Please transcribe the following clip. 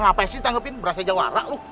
ngapain sih tanggepin berasa jawara lu